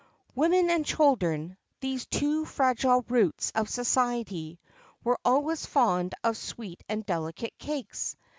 [XXIV 9] Women and children those two fragile roots of society were always fond of sweet and delicate cakes.